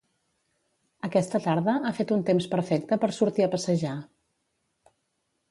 Aquesta tarda ha fet un temps perfecte per sortir a passejar.